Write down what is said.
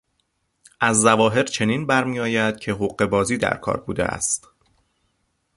از ظواهر چنین برمیآید که حقه بازی در کار بوده است.